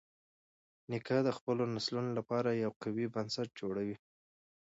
نیکه د خپلو نسلونو لپاره یو قوي بنسټ جوړوي.